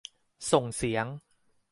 ส่งเสียง